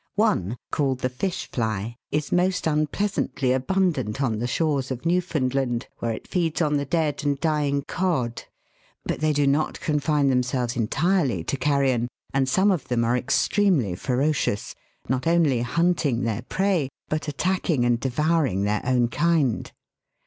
One, called the " fish fly," is most unplea santly abundant on the shores of Newfoundland, where it feeds on the dead and dying cod; but they do not confine themselves entirely to carrion, and some of them are extremely ferocious, not only hunting their prey, but attacking and devouring their own kind.